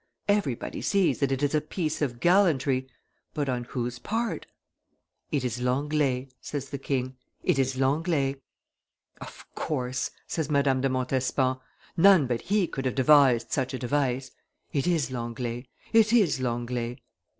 Everybody sees that it is a piece of gallantry; but on whose part? 'It is Langl4e,' says the king; 'it is Langlee.' 'Of course,' says Madame de Montespan, 'none but he could have devised such a device; it is Langlee, it is Langlee.